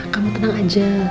kamu tenang aja